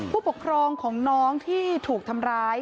ผู้ปกครองของน้องที่ถูกทำร้าย